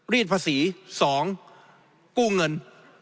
รีดภาษี๒กู้เงิน